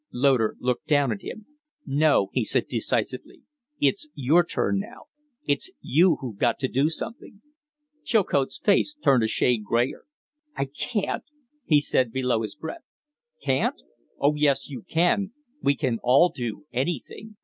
Loder looked down at him. "No," he said, decisively. "It's your turn now. It's you who've got to do something." Chilcote's face turned a shade grayer. "I can't," he said, below his breath. "Can't? Oh yes, you can. We can all do anything.